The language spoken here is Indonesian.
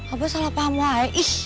abah salah paham wah